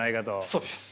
そうです。